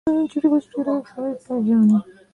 চিঠির পর চিঠি লিখি, জবাবই পাই না।